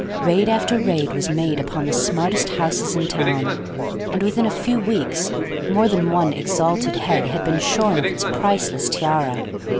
Raid after raid was made upon the smartest houses in town, and within a few weeks more than one exalted head had been shorn of its priceless tiara.